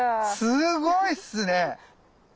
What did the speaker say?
すごいっすね。